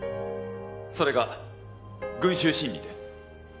それが群集心理です。